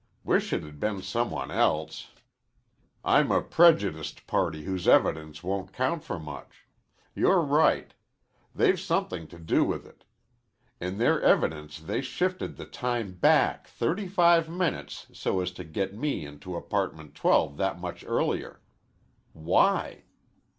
Wish it had been some one else. I'm a prejudiced party whose evidence won't count for much. You're right. They've somethin' to do with it. In their evidence they shifted the time back thirty five minutes so as to get me into Apartment 12 that much earlier. Why?